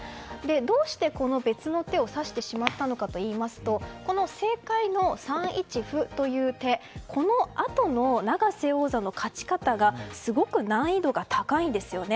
どうしてこの別の手を指してしまったのかというとこの正解の３一歩という手このあとの永瀬王座の勝ち方がすごく難易度が高いんですよね。